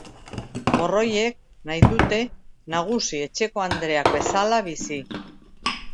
Morroiek nahi dute nagusi-etxekoandreak bezala bizi.